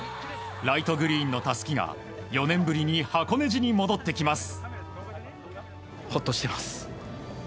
ライトグリーンのたすきが４年ぶりに箱根路に戻ってきます。